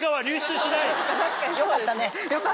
よかったね。